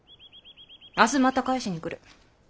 明日また返しに来る。